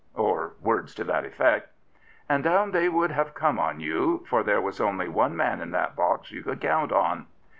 Or words to that effect. And down they would have come on you, for there was only one man in that box you could count on."